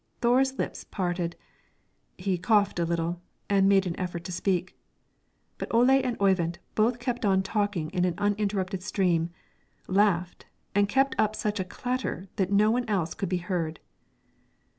Thore's lips parted, he coughed a little, and made an effort to speak; but Ole and Oyvind both kept on talking in an uninterrupted stream, laughed and kept up such a clatter that no one else could be heard.